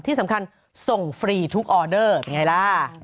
ที่สำคัญส่งฟรีทุกออเดอร์เป็นไงล่ะ